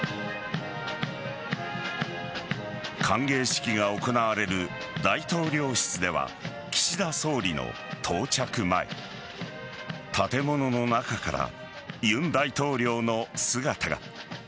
歓迎式が行われる大統領室では岸田総理の到着前建物の中から尹大統領の姿が。